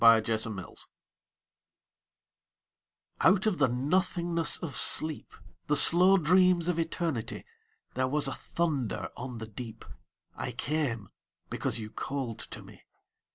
The Call Out of the nothingness of sleep, The slow dreams of Eternity, There was a thunder on the deep: I came, because you called to me.